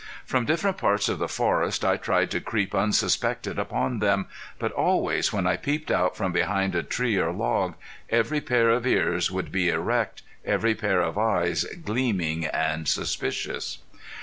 From different parts of the forest I tried to creep unsuspected upon them; but always when I peeped out from behind a tree or log, every pair of ears would be erect, every pair of eyes gleaming and suspicious.